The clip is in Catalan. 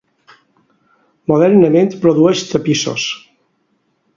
Modernament produeix tapissos.